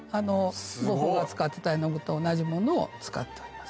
ゴッホが使ってた絵の具と同じものを使っております。